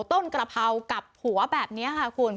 กระเพรากับหัวแบบนี้ค่ะคุณ